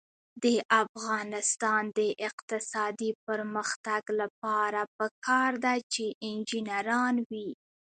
د افغانستان د اقتصادي پرمختګ لپاره پکار ده چې انجنیران وي.